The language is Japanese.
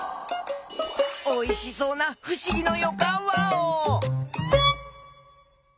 おいしそうなふしぎのよかんワオ！